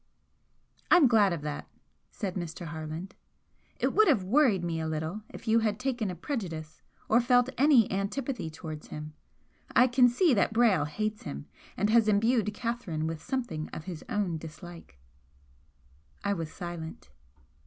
"I'm glad of that," said Mr. Harland "It would have worried me a little if you had taken a prejudice or felt any antipathy towards him. I can see that Brayle hates him and has imbued Catherine with something of his own dislike." I was silent.